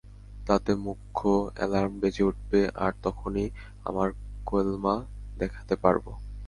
তাতে মূখ্য অ্যালার্ম বেজে উঠবে, - আর তখনই আমার কেলমা দেখাতে পারবো।